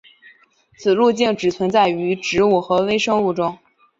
此路径只存在于植物和微生物中。